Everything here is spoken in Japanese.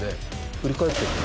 振り返ってるよ。